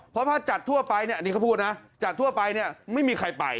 เพราะถ้าจัดทั่วไปเนี่ยอันนี้เขาพูดนะจัดทั่วไปเนี่ยไม่มีใครไป